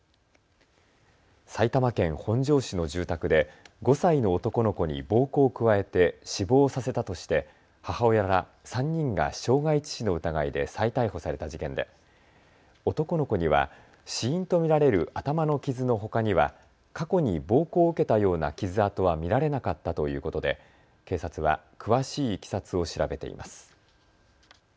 埼玉県本庄市の住宅で５歳の男の子に暴行を加えて死亡させたとして母親ら３人が傷害致死の疑いで再逮捕された事件で男の子には死因と見られる頭の傷のほかには過去に暴行を受けたような傷痕は見られなかったということで警察は詳しいいきさつを調べています。